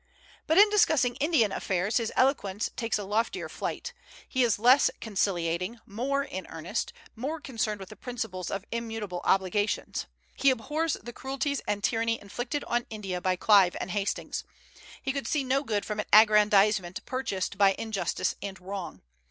But in discussing Indian affairs his eloquence takes a loftier flight; he is less conciliating, more in earnest, more concerned with the principles of immutable obligations. He abhors the cruelties and tyranny inflicted on India by Clive and Hastings. He could see no good from an aggrandizement purchased by injustice and wrong.